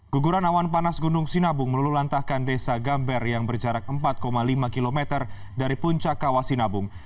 guguran awan panas gunung sinabung melululantahkan desa gamber yang berjarak empat lima km dari puncak kawasinabung